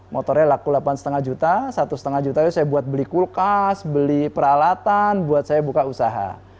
motornya laku delapan lima juta satu lima juta itu saya buat beli kulkas beli peralatan buat saya buka usaha